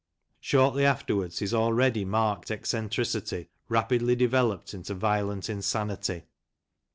Shortly afterwards, his already marked eccentricity rapidly developed into violent insanity.